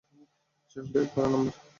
শেষ ডায়াল করা নাম্বার।